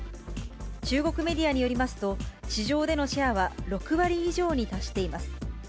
中国メディアによりますと、市場でのシェアは６割以上に達しています。